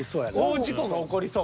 大事故が起こりそう。